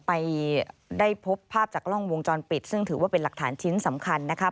ไปได้พบภาพจากกล้องวงจรปิดซึ่งถือว่าเป็นหลักฐานชิ้นสำคัญนะครับ